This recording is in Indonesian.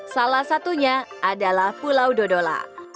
salah satunya adalah pulau dodola